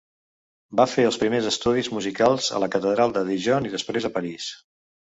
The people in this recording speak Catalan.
Va fer els primers estudis musicals a la catedral de Dijon i després a París.